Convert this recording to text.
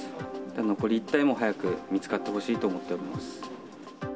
残り１体も早く見つかってほしいと思っております。